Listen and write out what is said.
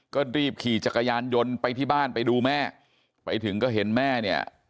ก็รีบขี่จักรยานยนต์ไปที่บ้านไปดูแม่ไปถึงก็เห็นแม่เนี่ย